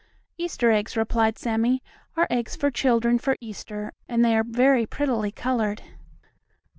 "Easter eggs," replied Sammie, "are eggs for children for Easter, and they are very prettily colored."